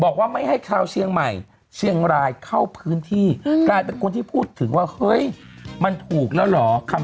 พวกเราจะต้องก็อยู่ในรอบตัวเราหมดเลยนะ